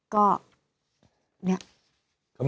ก็เนี่ย